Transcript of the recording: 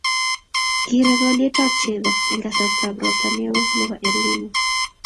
Kirek olyetab chego eng kasartab ropta neo nebo Elnino